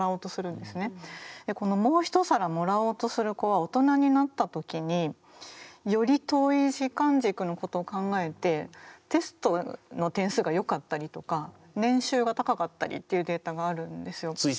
でこのもう一皿もらおうとする子は大人になった時により遠い時間軸のことを考えてテストの点数がよかったりとか年収が高かったりっていうデータがあるんですよ。